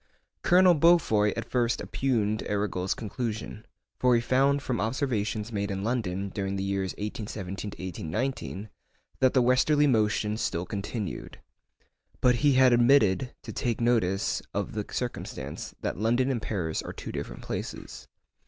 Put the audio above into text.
Colonel Beaufoy at first oppugned Arago's conclusion, for he found from observations made in London, during the years 1817 1819, that the westerly motion still continued. But he had omitted to take notice of the circumstance, that London and Paris are two different places.